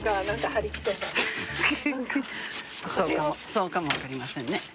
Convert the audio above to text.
そうかもわかりませんね。